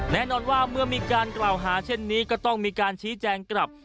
แน่นอนว่าเมื่อมีการกล่าวหาเช่นนี้ก็ต้องมีการชี้แจงกลับ